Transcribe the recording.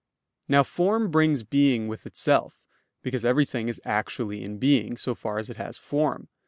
Now form brings being with itself, because everything is actually in being, so far as it has form.